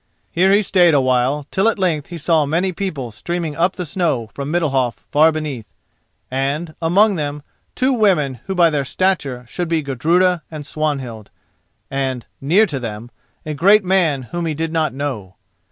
Here he stayed a while till at length he saw many people streaming up the snow from Middalhof far beneath, and, among them, two women who by their stature should be Gudruda and Swanhild, and, near to them, a great man whom he did not know.